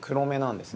ですね。